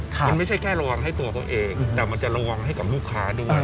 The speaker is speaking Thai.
มันไม่ใช่แค่ระวังให้ตัวตัวเองแต่มันจะระวังให้กับลูกค้าด้วย